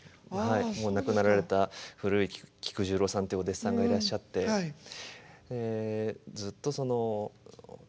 もう亡くなられた菊十郎さんっていうお弟子さんがいらっしゃってえずっとその初舞台の時も「坊ちゃん